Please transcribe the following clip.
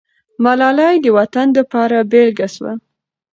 ملالۍ د وطن دپاره بېلګه سوه.